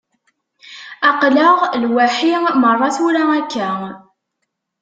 Aql-aɣ lwaḥi merra, tura akka.